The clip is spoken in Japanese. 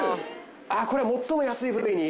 あこれ最も安い部類に。